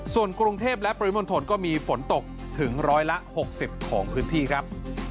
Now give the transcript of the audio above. ส่วนกรุงเทพและปริมณฑลก็มีฝนตกถึงร้อยละ๖๐ของพื้นที่ครับ